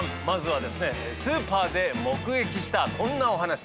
まずはですねスーパーで目撃したこんなお話。